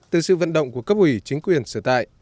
từ sự vận động của cấp ủy chính quyền sở tại